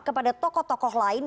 kepada tokoh tokoh lain